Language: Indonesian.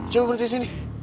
coba berdiri di sini